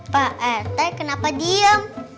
pak rt kenapa diem